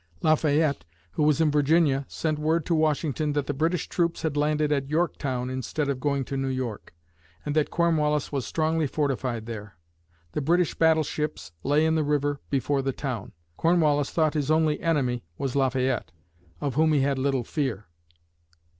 Lafayette, who was in Virginia, sent word to Washington that the British troops had landed at Yorktown (instead of going to New York), and that Cornwallis was strongly fortified there. The British battleships lay in the river before the town. Cornwallis thought his only enemy was Lafayette, of whom he had little fear.